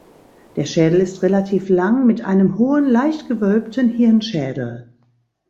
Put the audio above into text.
Der Schädel ist relativ lang mit einem hohen leicht gewölbten Hirnschädel.